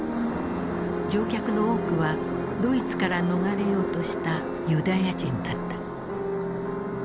乗客の多くはドイツから逃れようとしたユダヤ人だった。